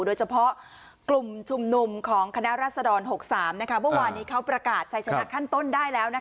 โดยเฉพาะกลุ่มชุมนุมของคณะรัศดร๖๓เมื่อวานนี้เขาประกาศชายชนะขั้นต้นได้แล้ว